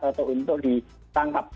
atau untuk ditangkap